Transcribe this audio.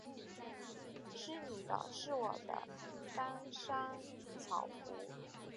是你的；是我的，三商巧福。